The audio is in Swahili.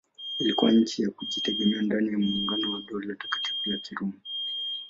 Ilikuwa nchi ya kujitegemea ndani ya maungano ya Dola Takatifu la Kiroma.